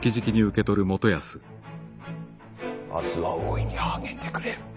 明日は大いに励んでくれ。